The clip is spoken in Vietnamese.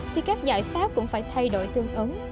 thì các giải pháp cũng phải thay đổi tương ứng